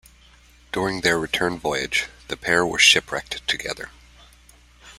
During their return voyage, the pair were shipwrecked together.